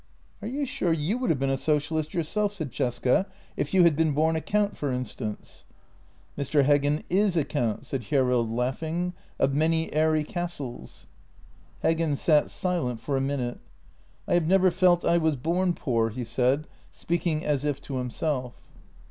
" Are you sure you would have been a socialist yourself," said Cesca, " if you had been born a count, for instance? "" Mr. Heggen is a count," said Hjerrild, laughing, " of many airy castles." Heggen sat silent for a minute. " I have never felt I was born poor," he said, speaking as if to himself.